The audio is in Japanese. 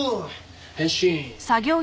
変身！